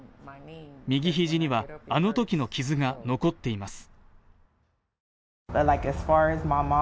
右肘には、あのときの傷が残っています。